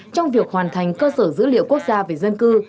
trong việc hoàn thành cơ sở dữ liệu quốc gia về dân cư